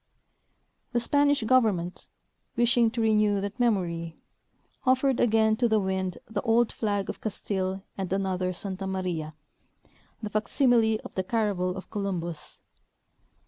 " The Spanish government, wishing to renew that memory, offered again to the wind the old flag of Castile and another Santa Maria, the fac simile of the caravel of Columbus.